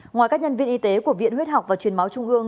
ngoài các nhân viên y tế của viện huyết học và truyền máu trung ương